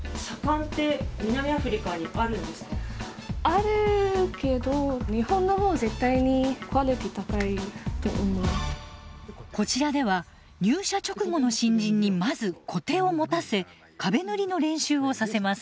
あるけどこちらでは入社直後の新人にまずコテを持たせ壁塗りの練習をさせます。